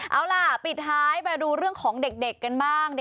เอาล่ะปิดท้ายไปดูเรื่องของเด็กกันบ้าง